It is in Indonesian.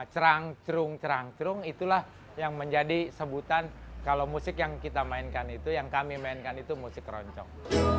cerang cerung cerang cerung itulah yang menjadi sebutan kalau musik yang kita mainkan itu yang kami mainkan itu musik keroncong